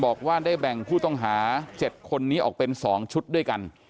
บอกว่าได้แบ่งผู้ต้องหา๗คนนี้ออกเป็น๒ชุดด้วยกัน